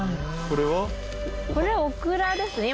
これはオクラですね。